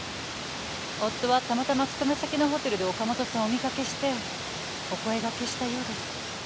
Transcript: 夫はたまたま勤め先のホテルで岡本さんをお見かけしてお声掛けしたようです。